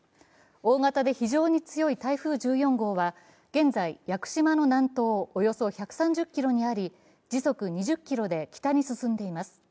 大型で非常に強い台風１４号は現在、屋久島の南東およそ１３０ｋｍにあり時速２０キロで北に進んでいます。